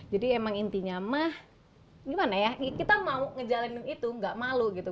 jadi emang intinya mah gimana ya kita mau ngejalanin itu nggak malu gitu